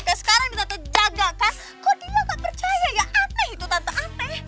kayak sekarang ini tante jaga kan kok dia gak percaya ya aneh itu tante aneh